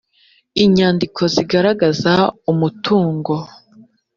inyandiko zigaragaza umutungo